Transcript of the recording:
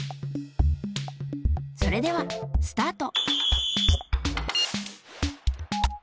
それではスタート。